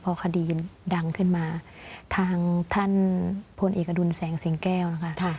พอคดีดังขึ้นมาทางท่านพลเอกอดุลแสงสิงแก้วนะคะ